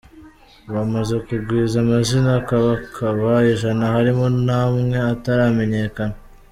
Ubu amaze kugwiza amazina akabakaba ijana harimo n’amwe ataramenyekana.